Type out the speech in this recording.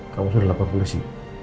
kamu sudah lapor polisi